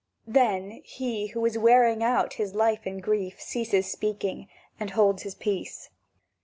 Then he, who is wearing out his life in grief, ceases speaking and holds his peace.